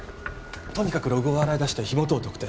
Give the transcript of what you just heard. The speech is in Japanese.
とにかくログを洗い出して火元を特定